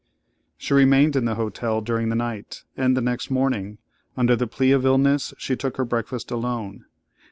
She remained in the hotel during the night, and the next morning, under the plea of illness, she took her breakfast alone.